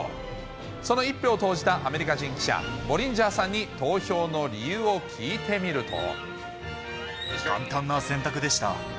その１票を投じたアメリカ人記者、ボリンジャーさんに投票の理由を簡単な選択でした。